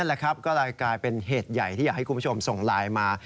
แหละครับก็เลยกลายเป็นเหตุใหญ่ที่อยากให้คุณผู้ชมส่งไลน์มา